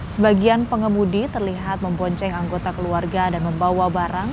sebagian pengemudi terlihat membonceng anggota keluarga dan membawa barang